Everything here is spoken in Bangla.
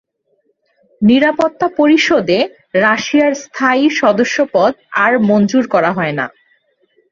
নিরাপত্তা পরিষদে রাশিয়ার স্থায়ী সদস্যপদ আর মঞ্জুর করা হয় না।